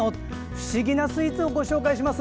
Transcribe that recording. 不思議なスイーツをご紹介します。